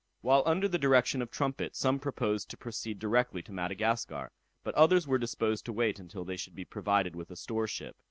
While under the direction of Trumpet, some proposed to proceed directly to Madagascar, but others were disposed to wait until they should be provided with a store ship.